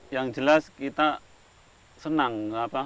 yang jelas kita senang